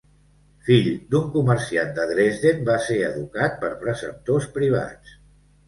Fill d'un comerciant de Dresden, va ser educat per preceptors privats.